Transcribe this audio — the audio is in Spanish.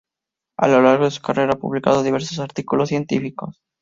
A lo largo de su carrera ha publicado diversos artículos científicos.